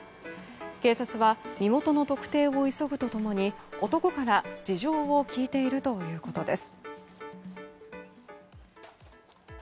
警察は身元の特定を急ぐと共に男から事情を聴いているということです。